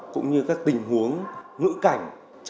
cũng như các tình huống ngữ cảnh